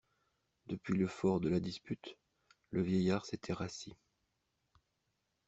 Depuis le fort de la dispute, le vieillard s'était rassis.